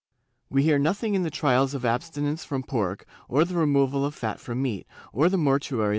We hear nothing in the trials of abstinence from pork, or the removal of fat from meat, or the mortuary laying out of the dead.